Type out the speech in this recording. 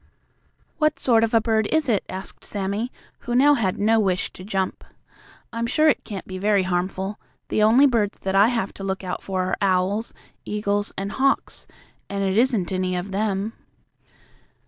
"What sort of a bird is it?" asked Sammie, who now had no wish to jump. "I'm sure it can't be very harmful. The only birds that I have to look out for are owls, eagles and hawks, and it isn't any of them."